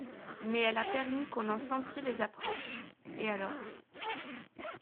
Mais elle a permis qu’on en sentît les approches… et alors…